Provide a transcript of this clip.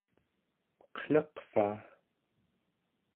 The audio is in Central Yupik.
eqnaqvaa!